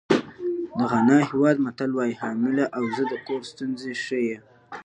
د غانا هېواد متل وایي حامله اوزه د کور ستونزې ښیي.